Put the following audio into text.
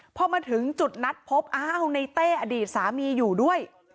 พอมาถึงจุดนัดพบอ้าวในเต้อดีตสามีอยู่ด้วย